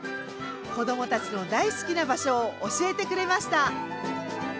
子どもたちの大好きな場所を教えてくれました。